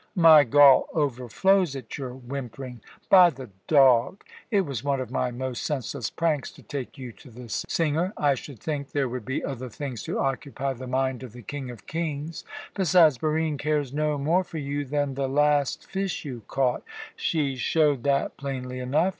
My gall overflows at your whimpering. By the dog! It was one of my most senseless pranks to take you to the singer. I should think there would be other things to occupy the mind of the King of kings. Besides, Barine cares no more for you than the last fish you caught. She showed that plainly enough.